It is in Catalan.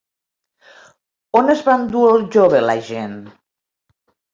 On es va endur al jove l'agent?